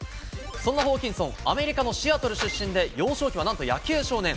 そんなホーキンソン、アメリカのシアトル出身で、幼少期はなんと野球少年。